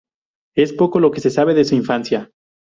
Es poco lo que se sabe de su infancia.